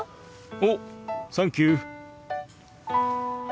おサンキュー。